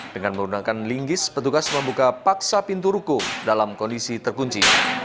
dengan menggunakan linggis petugas membuka paksa pintu ruko dalam kondisi terkunci